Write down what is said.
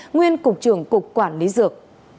nguyên cục trưởng cục quản lý dược